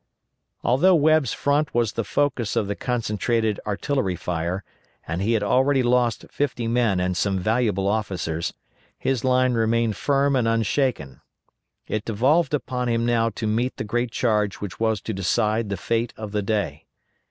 Although Webb's front was the focus of the concentrated artillery fire, and he had already lost fifty men and some valuable officers, his line remained firm and unshaken. It devolved upon him now to meet the great charge which was to decide the fate of the day.